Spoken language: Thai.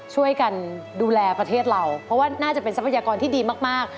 ช่วยกันดูแลประเทศเราเพราะว่าน่าจะเป็นทรัพยากรที่ดีมาก